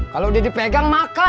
kalau udah dipegang makan